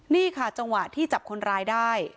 นี่ค่ะจังหวะที่จับคนร้ายได้